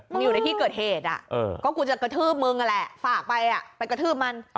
มันอยู่ในที่เกิดเหตุก็กูจะกระทืบมึงนั่นแหละฝากไปไปกระทืบมัน